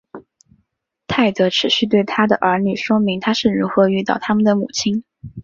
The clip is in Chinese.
泰德持续对他的儿女说明他是如何遇到他们的母亲。